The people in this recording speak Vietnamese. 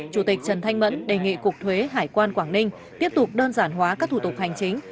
chủ tịch trần thanh mẫn đề nghị cục thuế hải quan quảng ninh tiếp tục đơn giản hóa các thủ tục hành chính